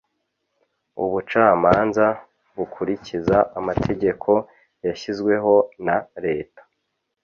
Ubucamanza bukurikiza amategeko yashyizweho na leta